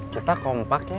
kita kompak ya